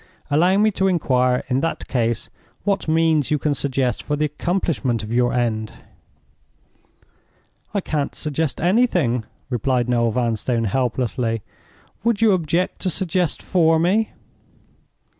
Allow me to inquire in that case what means you can suggest for the accomplishment of your end?" "I can't suggest anything," replied Noel Vanstone, helplessly. "Would you object to suggest for me?"